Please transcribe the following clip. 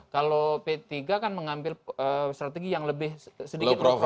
kalau p tiga kan mengambil strategi yang lebih sedikit